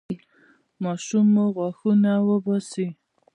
ماشوم مو غاښونه وباسي؟